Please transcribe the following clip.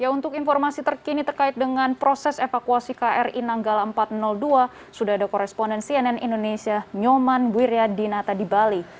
untuk informasi terkini terkait dengan proses evakuasi kri nanggala empat ratus dua sudah ada koresponden cnn indonesia nyoman wiryadinata di bali